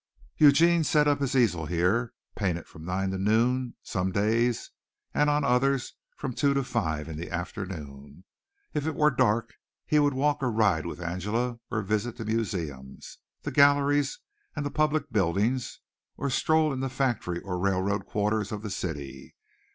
Eugene set up his easel here, painted from nine to noon some days, and on others from two to five in the afternoon. If it were dark, he would walk or ride with Angela or visit the museums, the galleries and the public buildings or stroll in the factory or railroad quarters of the city.